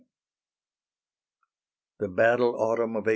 THE BATTLE AUTUMN OF 1862.